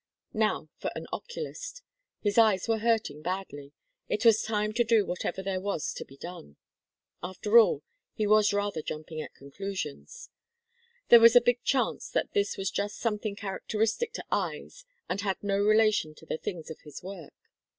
Now for an oculist. His eyes were hurting badly; it was time to do whatever there was to be done. After all he was rather jumping at conclusions. There was a big chance that this was just something characteristic to eyes and had no relation to the things of his work.